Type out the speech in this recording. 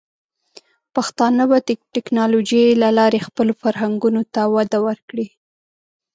پښتانه به د ټیکنالوجۍ له لارې خپلو فرهنګونو ته وده ورکړي.